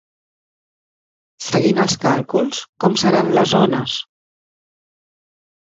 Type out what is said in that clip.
Seguint els càlculs, com seran les ones?